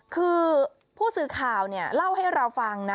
คือผู้สื่อข่าวเล่าให้เราฟังนะ